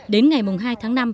đến ngày hai tháng năm